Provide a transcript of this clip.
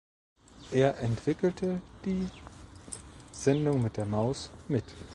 Er entwickelte die "Sendung mit der Maus" mit.